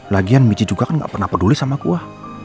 lagian michi juga kan gak pernah peduli sama gue